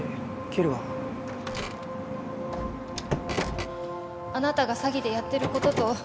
切るわあなたが詐欺でやってることと